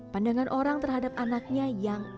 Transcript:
pandangan orang terhadap anaknya yang